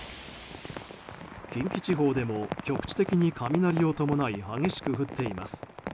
近畿地方でも局地的に雷を伴い激しく降っています。